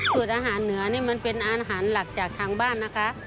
อาหารเหนือนี่มันเป็นอาหารหลักจากทางบ้านนะคะ